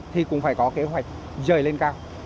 thì cũng phải có kế hoạch rời lên cao